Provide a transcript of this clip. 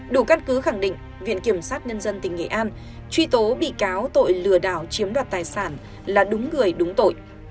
đủ căn cứ khẳng định viện kiểm sát nhân dân tỉnh nghệ an truy tố bị cáo tội lừa đảo chiếm đoạt tài sản là đúng người đúng tội